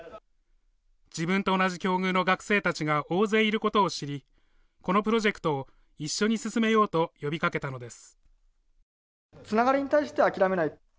自分と同じ境遇の学生たちが大勢いることを知りこのプロジェクトを一緒に進めようと呼びかけたのです。